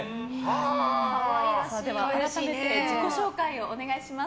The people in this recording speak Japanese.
では改めて自己紹介をお願いします。